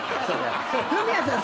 フミヤさん